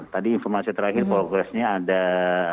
tadi informasi terakhir progress nya ada apa